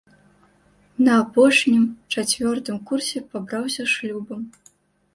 На апошнім, чацвёртым, курсе пабраўся шлюбам.